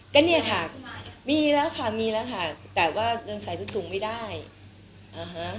ก็เนี่ยค่ะมีแล้วค่ะแต่ว่าเดินสายสูงไม่ได้อ่าฮะ